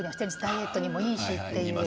ダイエットにもいいしと。